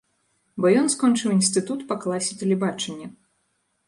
Бо ён скончыў інстытут па класе тэлебачання.